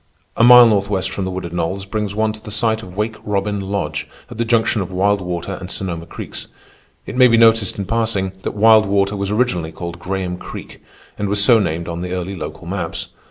A mile northwest from the wooded knolls brings one to the site of Wake Robin Lodge at the junction of Wild Water and Sonoma Creeks. It may be noticed, in passing, that Wild Water was originally called Graham Creek and was so named on the early local maps.